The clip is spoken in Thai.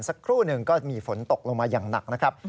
สักครู่หนึ่งก็มีฝนตกลงมาอย่างหนักนะครับ